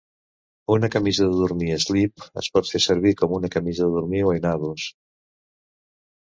Una camisa de dormir eslip es pot fer servir com a camisa de dormir o enagos.